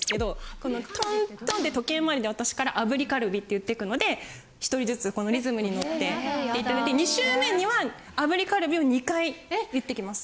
このトントンで時計回りで私から炙りカルビって言ってくので１人ずつリズムにのって言っていただいて２周目には炙りカルビを２回言っていきます。